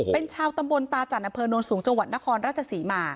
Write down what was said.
เป็นชาวตำบลตาจันทร์อำเภอโน้นสูงจังหวัดนครราชศรีมา